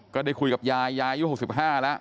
ก็ได้คุยกับยายยายอายุ๖๕แล้ว